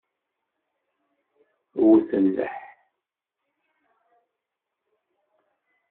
Wet nneḥ!